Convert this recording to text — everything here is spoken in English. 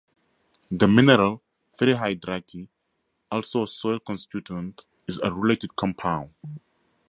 The mineral ferrihydrite, also a soil constituent, is a related compound.